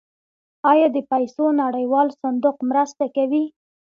آیا د پیسو نړیوال صندوق مرسته کوي؟